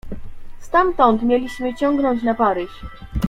"Stamtąd mieliśmy ciągnąć na Paryż."